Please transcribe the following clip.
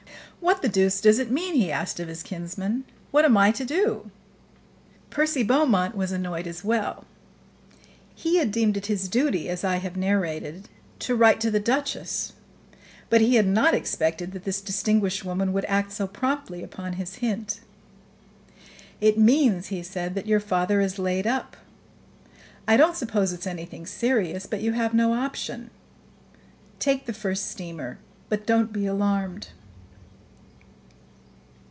"What the deuce does it mean?" he asked of his kinsman. "What am I to do?" Percy Beaumont was annoyed as well; he had deemed it his duty, as I have narrated, to write to the duchess, but he had not expected that this distinguished woman would act so promptly upon his hint. "It means," he said, "that your father is laid up. I don't suppose it's anything serious; but you have no option. Take the first steamer; but don't be alarmed."